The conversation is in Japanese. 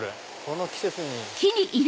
この季節に。